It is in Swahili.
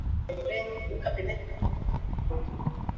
weka pembeni kitunguu na nyanya